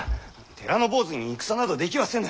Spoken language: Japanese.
寺の坊主に戦などできはせぬ。